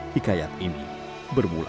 hikayat ini bermula